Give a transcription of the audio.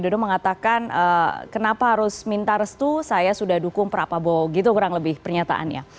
joko widodo mengatakan kenapa harus mintar setuh saya sudah dukung prabowo gitu kurang lebih pernyataannya